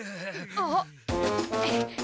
あっ！